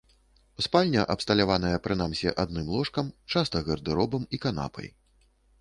Спальня абсталяваная прынамсі адным ложкам, часта гардэробам і канапай.